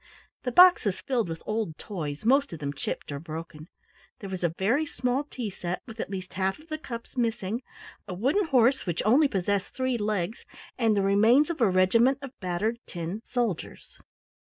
The box was filled with old toys, most of them chipped or broken. There was a very small tea set with at least half of the cups missing, a wooden horse which only possessed three legs, and the remains of a regiment of battered tin soldiers.